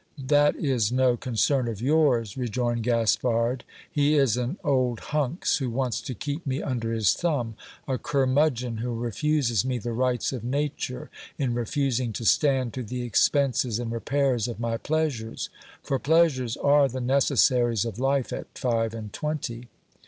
That is no concern of yours, rejoined Gaspard ; he is an old hunks, who wants to keep me under his thumb ; a curmudgeon who refuses me the rights of nature, in refus ing to stand to the expenses and repairs of my pleasures ; for pleasures are the necessaries of life at five and twenty.